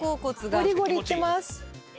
ゴリゴリいってます。